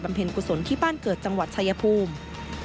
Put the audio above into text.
เพลงกุศลที่บ้านเกิดจังหวัดชายภูมิ